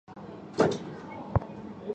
现时为香港田径队队员及教练。